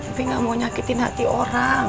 tapi gak mau nyakitin hati orang